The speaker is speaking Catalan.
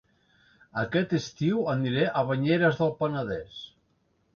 Aquest estiu aniré a Banyeres del Penedès